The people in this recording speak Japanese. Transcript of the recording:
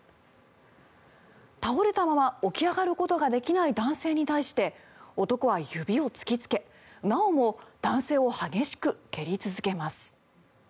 倒れたまま起き上がることができない男性に対して男は指を突きつけなおも男性を激しく蹴り続けます。